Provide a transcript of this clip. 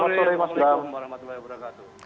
waalaikumsalam warahmatullahi wabarakatuh